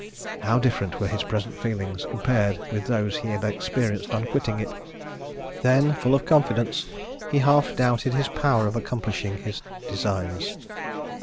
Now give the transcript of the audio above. How different were his present feelings, compared with those he had experienced on quitting it! Then, full of confidence, he half doubted his power of accomplishing his designs.